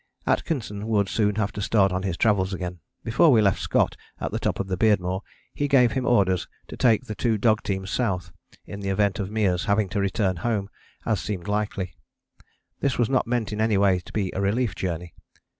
Atkinson would soon have to start on his travels again. Before we left Scott at the top of the Beardmore he gave him orders to take the two dog teams South in the event of Meares having to return home, as seemed likely. This was not meant in any way to be a relief journey.